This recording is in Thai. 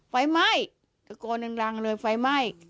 ไฟไหม้ตะโกนดังรังเลยไฟไหม้